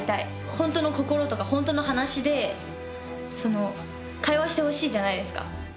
本当の心とか本当の話で会話してほしいじゃないですか。